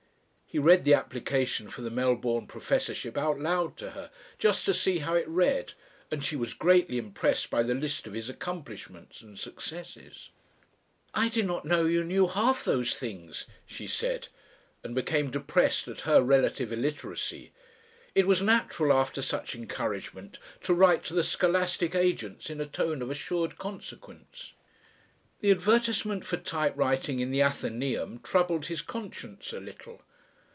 He read the application for the Melbourne professorship out loud to her, just to see how it read, and she was greatly impressed by the list of his accomplishments and successes. "I did not, know you knew half those things," she said, and became depressed at her relative illiteracy. It was natural, after such encouragement, to write to the scholastic agents in a tone of assured consequence. The advertisement for typewriting in the Athenaeum troubled his conscience a little.